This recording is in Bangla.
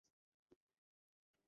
আর না গেলে শুধু তার হাড্ডিই পাবি।